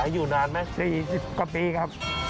อยู่นานไหม๔๐กว่าปีครับ